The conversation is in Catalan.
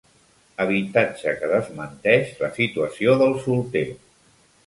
Habitatge que desmenteix la situació del solter.